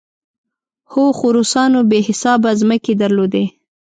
هو، خو روسانو بې حسابه ځمکې درلودې.